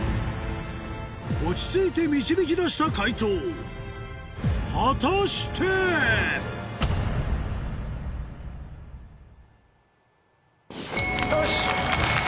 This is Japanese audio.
落ち着いて導き出した解答果たして⁉よし！